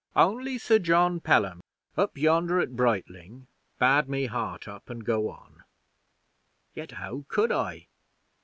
Only Sir John Pelham up yonder at Brightling bade me heart up and go on. Yet how could I?